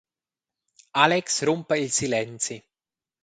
Alex rumpa il silenzi.